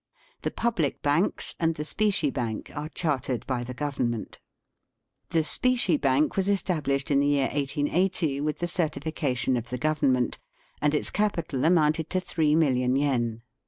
The public banks and the specie bank are chartered by the Government. The specie bank was estabhshed in the year 1880, with the certification of the Govern ment ; and its capital amounted to 3,000,000 yen.